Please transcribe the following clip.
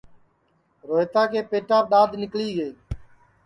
روہیتا کے پیٹاپ دؔاد نیکݪی گے